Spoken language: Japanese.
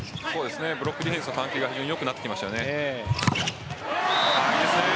ブロックディフェンスの関係がよくなってきましたよね。